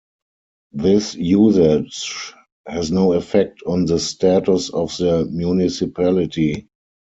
This usage has no effect on the status of the municipality.